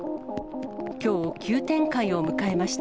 きょう、急展開を迎えました。